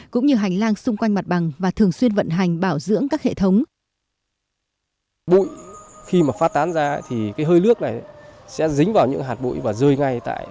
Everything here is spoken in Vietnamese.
cũng như hành lang xung quanh mặt bằng và thường xuyên vận hành bảo dưỡng các hệ thống